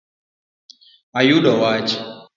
Ayudo wach